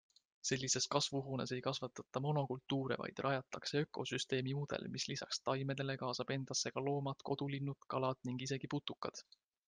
Sellises kasvuhoones ei kasvatata monokultuure, vaid rajatakse ökosüsteemi mudel, mis lisaks taimedele kaasab endasse ka loomad, kodulinnud, kalad ning isegi putukad.